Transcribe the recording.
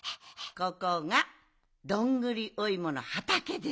ここがどんぐりおいものはたけです。